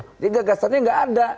jadi gagasannya tidak ada